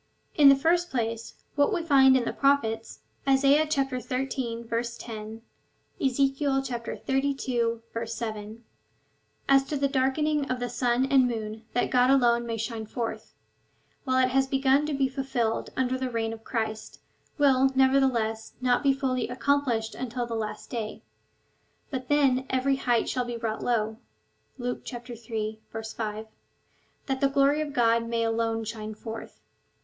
In the first place, what we find in the Prophets (Is. xiii. 10 ; Ezek. xxxii. 7) as to the darkening of the sun and moon, that God alone may shine forth, while it has begun to be fulfilled under the reign of Christ, wnll, nevertheless, not be fully accomplished until the last day ; but then every height shall be brought low, (Luke iii. 5,) that the glory of God may alone shine forth.